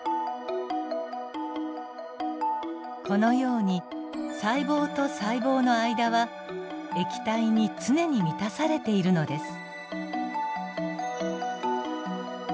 このように細胞と細胞の間は液体に常に満たされているのです。